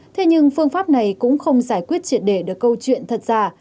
thế nhưng phương pháp này cũng không giải quyết triệt để được câu chuyện thật ra